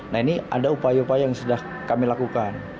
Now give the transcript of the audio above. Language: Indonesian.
nah ini ada upaya upaya yang sudah kami lakukan